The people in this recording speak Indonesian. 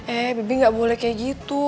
eh bibi gak boleh kaya gitu